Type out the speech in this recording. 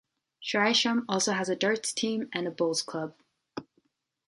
Syresham also has a darts team and a bowls club.